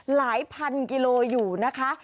หลายพันกิโลอยู่นะคะ